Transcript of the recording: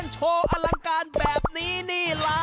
โชคขนาดนี้